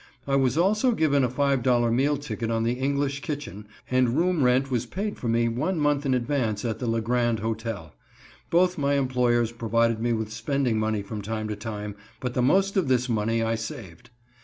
I was also given a $5.00 meal ticket on the English Kitchen, and room rent was paid for me one month in advance at the LeGrand Hotel. Both my employers provided me with spending money from time to time, but the most of this money I saved.